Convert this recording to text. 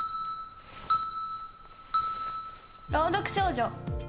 朗読少女。